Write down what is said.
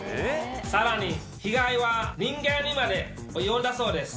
さらに被害は人間にまで及んだそうです。